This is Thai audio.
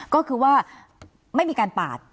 ก็คือว่าไม่มีการปาด